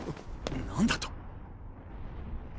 何だと？